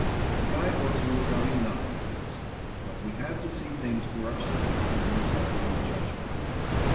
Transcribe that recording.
The guidebooks will tell you nothing of this, but we have to see things for ourselves, and use our own judgment.